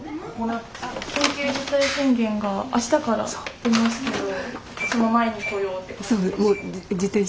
緊急事態宣言があしたから出ますけどその前に来ようって。